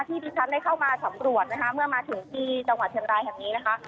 ที่ดิฉันได้เข้ามาสำรวจนะคะเมื่อมาถึงที่จังหวัดเชียงรายแห่งนี้นะคะ